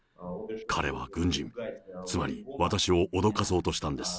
彼は軍人、つまり私を脅かそうとしたんです。